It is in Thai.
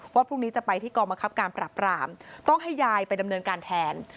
พรุ่งนี้จะไปที่กองบังคับการปรับรามต้องให้ยายไปดำเนินการแทน